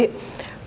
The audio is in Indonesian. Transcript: tapi harus menjaga